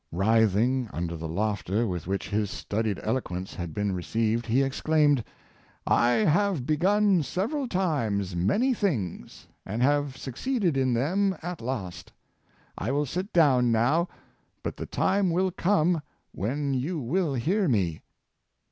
Writhing under the laughter with which his studied eloquence had been received, he exclaimed, "I have begun several times many things, and have succeeded in them at last. I will sit down now, but the time will come when you will hear me."